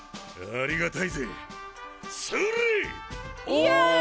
イエイ！